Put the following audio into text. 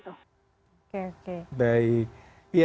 ya ibu terima kasih sekali perbicaraan